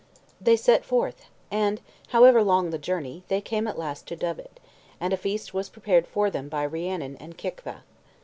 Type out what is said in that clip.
They set forth, and, however long the journey, they came at last to Dyved; and a feast was prepared for them by Rhiannon and Kicva.